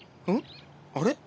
あれ？